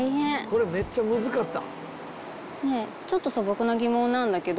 「これめっちゃむずない？」